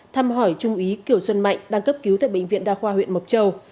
thăm hỏi trung úy kiểu xuân mạnh đang cấp cứu tại bệnh viện đa khoa huyện mộc châu